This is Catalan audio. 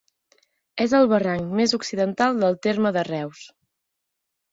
És el barranc més occidental del terme de Reus.